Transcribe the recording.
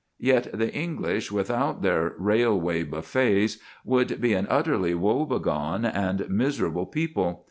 Yet the English without their railway buffets would be an utterly woebegone and miserable people.